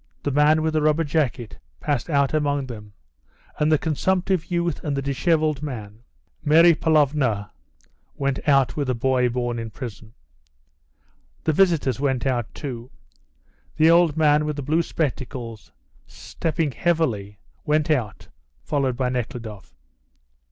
The man with the rubber jacket passed out among them, and the consumptive youth and the dishevelled man. Mary Pavlovna went out with the boy born in prison. The visitors went out too. The old man with the blue spectacles, stepping heavily, went out, followed by Nekhludoff.